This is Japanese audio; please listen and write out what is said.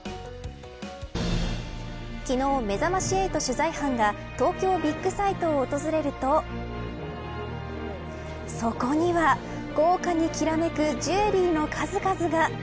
昨日、めざまし８取材班が東京ビッグサイトを訪れるとそこには豪華にきらめくジュエリーの数々が。